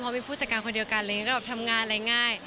เพราะมีผู้จัดการคนเดียวกันทำงานอะไรง่าย